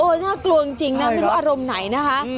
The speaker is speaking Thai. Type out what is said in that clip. น่ากลัวจริงนะไม่รู้อารมณ์ไหนนะคะ